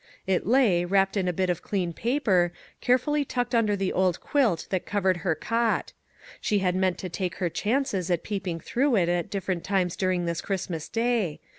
It lay, wrapped in a bit of clean paper, carefully tucked under the old quilt that covered her cot. She had meant to take her chances at peeping through it at different times during this Christmas Day.